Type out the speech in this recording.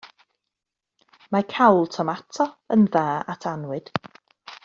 Mae cawl tomato yn dda at annwyd.